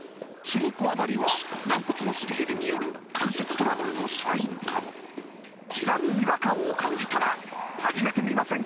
そのこわばりは軟骨のすり減りによる関節トラブルのサインかもひざに違和感を感じたら始めてみませんか